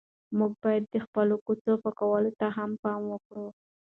موږ باید د خپلو کوڅو پاکوالي ته هم پام وکړو.